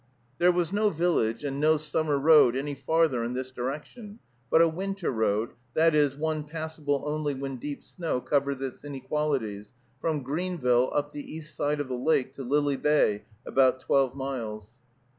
There was no village, and no summer road any farther in this direction, but a winter road, that is, one passable only when deep snow covers its inequalities, from Greenville up the east side of the lake to Lily Bay, about twelve miles.